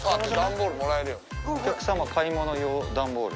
「お客様買物用ダンボール」。